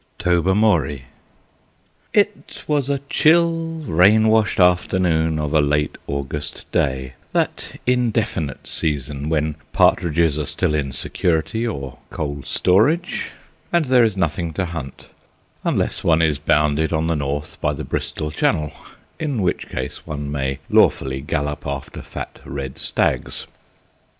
TOBERMORY It was a chill, rain washed afternoon of a late August day, that indefinite season when partridges are still in security or cold storage, and there is nothing to hunt unless one is bounded on the north by the Bristol Channel, in which case one may lawfully gallop after fat red stags.